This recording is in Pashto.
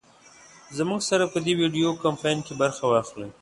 زمونږ سره په دې وېډيو کمپين کې برخه واخلۍ